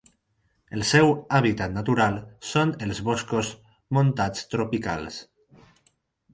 El seu hàbitat natural són els boscos montans tropicals.